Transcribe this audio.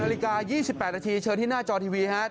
นาฬิกา๒๘นาทีเชิญที่หน้าจอทีวีครับ